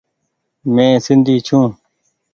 مين سندي ڇون۔